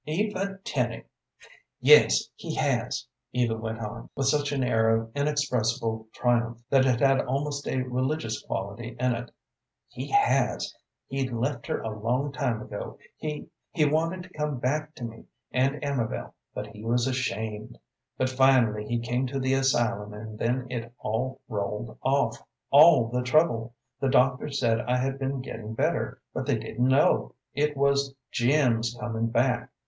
"Eva Tenny!" "Yes, he has," Eva went on, with such an air of inexpressible triumph that it had almost a religious quality in it. "He has. He left her a long time ago. He he wanted to come back to me and Amabel, but he was ashamed, but finally he came to the asylum, and then it all rolled off, all the trouble. The doctors said I had been getting better, but they didn't know. It was Jim's comin' back.